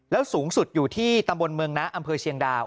แล้วสูงสุดอยู่ที่ตำบลเมืองนะอำเภอเชียงดาว